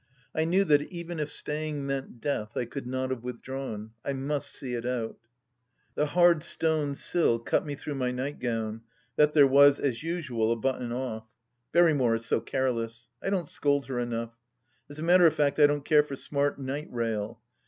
I knew that even if staying meant death, I could not have withdrawn. I must see it out. ... The hard stone sill cut me through my nightgown, that there was, as usual, a button oft. Berrymore is so careless. I don't scold her enough. As a matter of fact I don't care for smart "night rail."